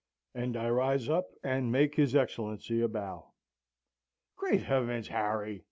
And I rise up and make his Excellency a bow. "'Great heavens, Harry!'